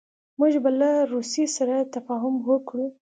موږ به له روسیې سره تفاهم وکړو.